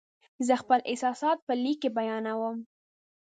زه خپل احساسات په لیک کې بیانوم.